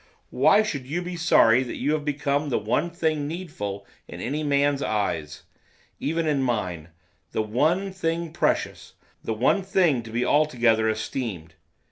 Why should you be sorry that you have become the one thing needful in any man's eyes, even in mine? The one thing precious, the one thing to be altogether esteemed!